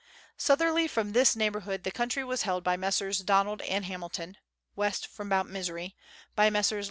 Southerly from this neighbourhood the country was held by Messrs. Donald and Hamilton (west from Mount Misery); by Messrs.